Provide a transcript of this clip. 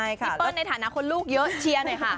อิ๊บเดินในฐานะคนลูกเยอะเชียร์หน่อยฮะ